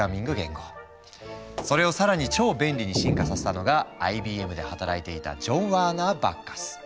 それを更に超便利に進化させたのがＩＢＭで働いていたジョン・ワーナー・バッカス。